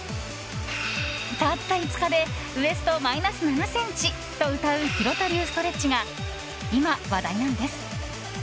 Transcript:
たった５日でウエストマイナス７ｃｍとうたう廣田流ストレッチが今、話題なんです。